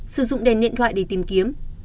sử dụng đèn điện thoại để tìm kiếm